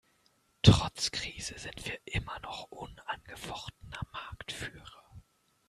Trotz Krise sind wir immer noch unangefochtener Marktführer.